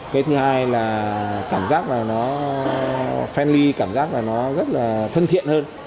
cái thứ hai là cảm giác là nó fany cảm giác là nó rất là thân thiện hơn